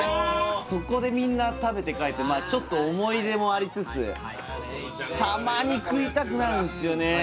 そこでみんな食べて帰ってまあちょっと思い出もありつつたまに食いたくなるんすよね